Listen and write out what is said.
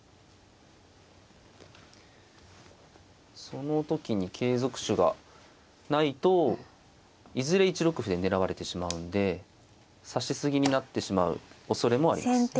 その時に継続手がないといずれ１六歩で狙われてしまうんで指し過ぎになってしまうおそれもあります。